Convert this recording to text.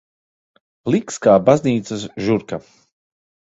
Pliks kā baznīcas žurka.